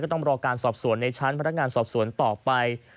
ก็ต้องรอการสอบสวนในชั้นพฤติกรรมต่อไป